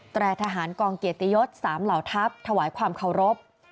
แรทหารกองเกียรติยศ๓เหล่าทัพถวายความเคารพ